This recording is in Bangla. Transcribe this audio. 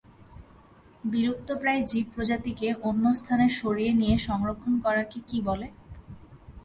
বিলুপ্তপ্রায় জীব প্রজাতিকে অন্যস্থানে সরিয়ে নিয়ে সরক্ষণ করাকে কি বলে?